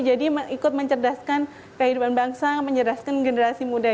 ikut mencerdaskan kehidupan bangsa mencerdaskan generasi muda